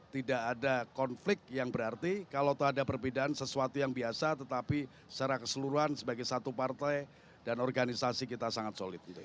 tidak ada konflik yang berarti kalau itu ada perbedaan sesuatu yang biasa tetapi secara keseluruhan sebagai satu partai dan organisasi kita sangat solid